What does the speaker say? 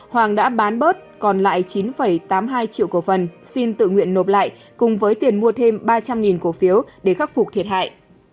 hoàng đã bán bớt còn lại chín tám mươi hai triệu cổ phần xin tự nguyện nộp lại cùng với tiền mua thêm ba trăm linh cổ phiếu để khắc phục thiệt hại